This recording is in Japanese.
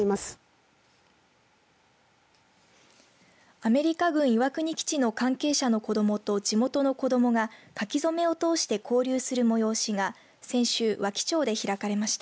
アメリカ軍岩国基地の関係者の子どもと地元の子どもが書き初めを通して交流する催しが先週、和木町で開かれました。